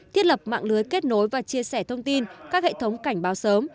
thiết lập mạng lưới kết nối và chia sẻ thông tin các hệ thống cảnh báo sớm